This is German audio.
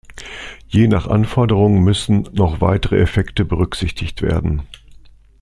Je nach Anforderung müssen noch weitere Effekte berücksichtigt werden.